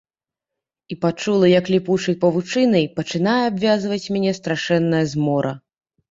І пачула, як ліпучай павучынай пачынае абвязваць мяне страшэнная змора.